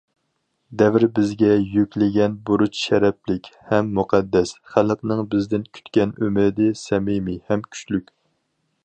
دەۋر بىزگە يۈكلىگەن بۇرچ شەرەپلىك ھەم مۇقەددەس، خەلقنىڭ بىزدىن كۈتكەن ئۈمىدى سەمىمىي ھەم كۈچلۈك.